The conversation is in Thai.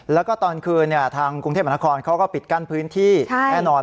แล้วก็ตอนคืนทางกรุงเทพมหานครเขาก็ปิดกั้นพื้นที่แน่นอน